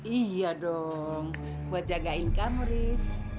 iya dong buat jagain kamu riz